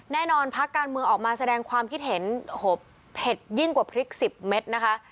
แน่นอนพักการเมืองออกมาแสดงความคิดเห็นเผ็ดยิ่งกว่าพริก๑๐เม็ดนะคะ